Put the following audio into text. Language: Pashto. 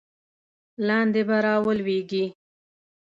لاندې به را ولویږې.